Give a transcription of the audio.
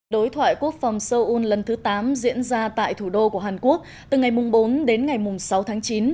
đối thoại quốc phòng seoul lần thứ tám diễn ra tại thủ đô của hàn quốc từ ngày bốn đến ngày sáu tháng chín